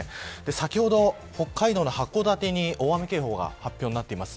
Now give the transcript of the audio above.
先ほど北海道の函館に大雨警報が発表になっています。